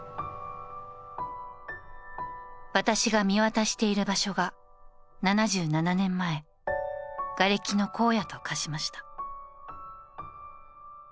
私が見渡している場所が７７年前、がれきの荒野と化しました。